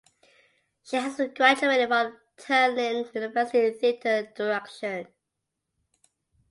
She has graduated from Tallinn University in theatre direction.